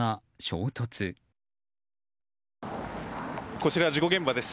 こちら、事故現場です。